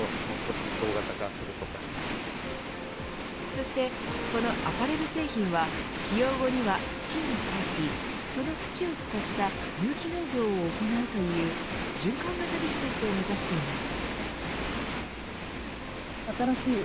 そしてこのアパレル製品は使用後には土に返しその土を使った有機農業を行うという循環型ビジネスを目指しています。